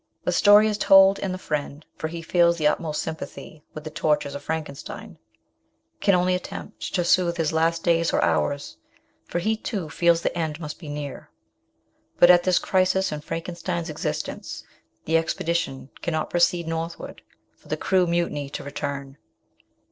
The story is told ; and the friend for he feels the utmost sympathy with the tortures of Frankenstein can only attempt to soothe his last days or hours, for he, too, feels the end must be near ; but at this crisis in Frankenstein's existence the expedition cannot pro ceed northward, for the crew mutiny to return.